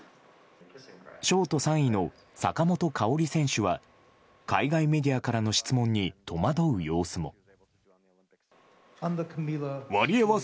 ショート３位の坂本花織選手は海外メディアからの質問に戸惑う様子も。